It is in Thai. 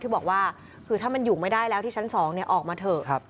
ที่บอกว่าคือถ้ามันอยู่ไม่ได้แล้วที่ชั้น๒ออกมาเถอะ